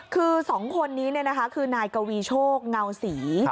คือสองคนนี้คือนายกวีโชกเงาสี